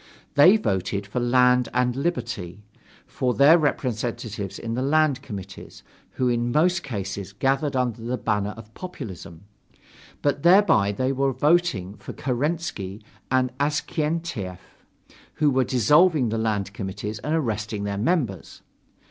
They voted for "Land and Liberty," for their representatives in the land committees, who in most cases gathered under the banner of populism: but thereby they were voting for Kerensky and Avksentiev, who were dissolving the land committees, and arresting their members.